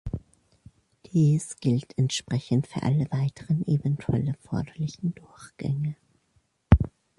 Dies gilt entsprechend für alle weiteren eventuell erforderlichen Durchgänge.